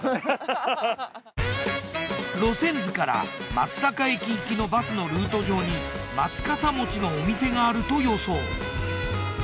路線図から松阪駅行きのバスのルート上にまつかさ餅のお店があると予想。